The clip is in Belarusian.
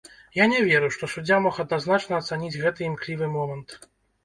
Я не веру, што суддзя мог адназначна ацаніць гэты імклівы момант.